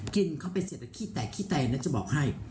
กินเข้าไปเสร็จแล้วคี่แตกคี่แตกจะบอกให้